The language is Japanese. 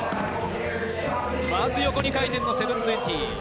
まず横２回転の７２０。